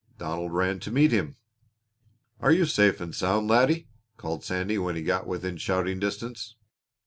Donald ran to meet him. "Are you safe and sound, laddie?" called Sandy when he got within shouting distance.